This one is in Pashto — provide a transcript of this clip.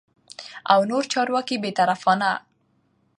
او نور چارواکي بې طرفانه